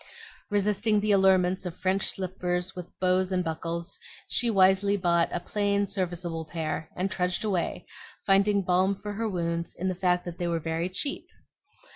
Resisting the allurements of French slippers with bows and buckles, she wisely bought a plain, serviceable pair, and trudged away, finding balm for her wounds in the fact that they were very cheap.